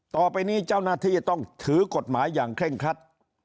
ต่อไปนี้เจ้าหน้าที่ต้องถือกฎหมายอย่างเคร่งครัด